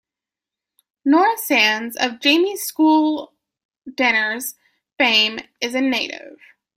Nora Sands, of "Jamie's School Dinners" fame, is a native.